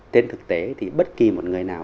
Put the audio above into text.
trên thực tế thì bất kỳ một người nào